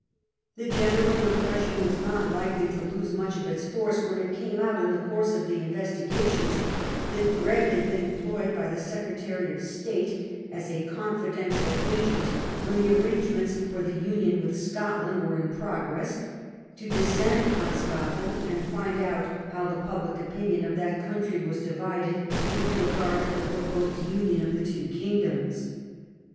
The general impression was not likely to lose much of its force when it came out, in the course of the investigations, that Gregg had been employed by the Secretary of State as a confidential agent when the arrangements for the union with Scotland were in progress, to descend upon Scotland and find out how the public opinion of that country was divided with regard to the proposed union of the two kingdoms.